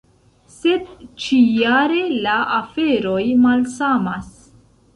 Sed ĉi-jare la aferoj malsamas.